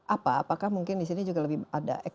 apa apakah mungkin disini juga lebih ada